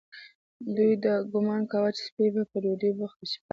دوی دا ګومان کاوه چې سپۍ به په ډوډۍ بوخته شي.